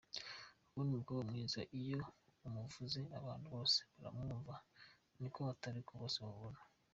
Ubundi umukobwa mwiza iyo umuvuze abantu bose baramwumva ni uko atari uko bose bababona.